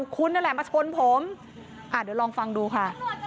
คุณนั่นแหละมาชนผมเดี๋ยวลองฟังดูค่ะ